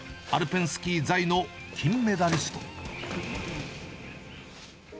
アルペンスキー座位の金メダリスト。